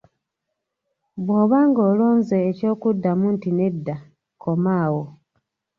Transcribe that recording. Bw’oba ng’olonze ekyokuddamu nti nedda, koma awo.